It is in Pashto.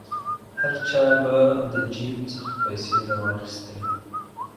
هر چا به د جیب څخه پیسې را واخیستلې.